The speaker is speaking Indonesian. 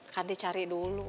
kan dia cari dulu